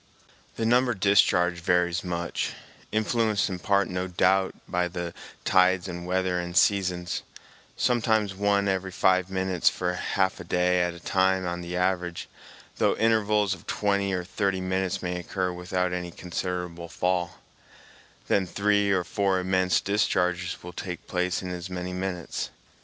The number discharged varies much, influenced in part no doubt by the tides and weather and seasons, sometimes one every five minutes for half a day at a time on the average, though intervals of twenty or thirty minutes may occur without any considerable fall, then three or four immense discharges will take place in as many minutes.